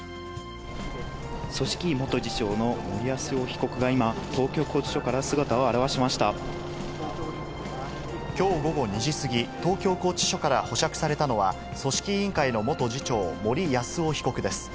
組織委元次長の森泰夫被告が今、東京拘置所から姿を現しましきょう午後２時過ぎ、東京拘置所から保釈されたのは、組織委員会の元次長、森泰夫被告です。